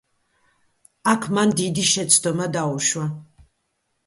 აქ მან დიდი შეცდომა დაუშვა.